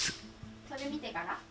それ見てから？